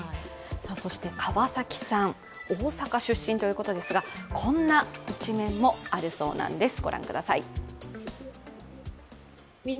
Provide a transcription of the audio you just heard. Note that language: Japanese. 川崎さん、大阪出身ということですが、こんな一面もあるそうなんです。